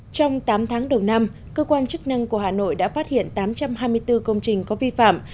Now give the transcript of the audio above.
trong tám tháng đầu năm cơ quan chức năng của hà nội đã phát hiện tám trăm hai mươi bốn công trình có vi phạm